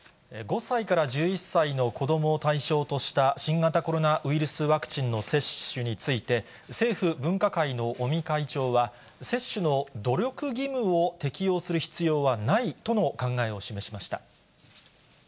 ５歳から１１歳の子どもを対象とした新型コロナワクチンの接種について、政府分科会の尾身会長は、接種の努力義務を適用する必要はないとの考えを示しました。